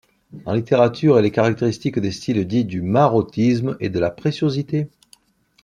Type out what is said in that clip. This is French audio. En littérature, elle est caractéristique des styles dits du marotisme et de la préciosité.